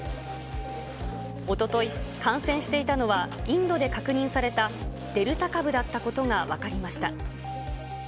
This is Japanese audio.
おととい、感染していたのは、インドで確認されたデルタ株だったことが分かりました。